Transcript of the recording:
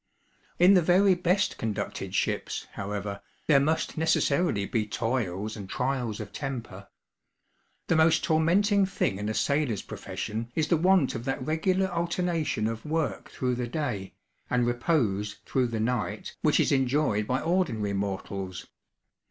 In the very best conducted ships, however, there must necessarily be toils and trials of temper. The most tormenting thing in a sailor's profession, is the want of that regular alternation of work through the day, and repose through the night, which is enjoyed by ordinary mortals.